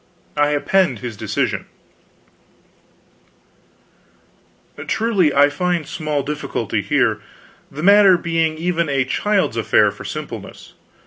I append his decision: "Truly I find small difficulty here, the matter being even a child's affair for simpleness.